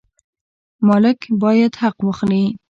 مالک باید حق واخلي.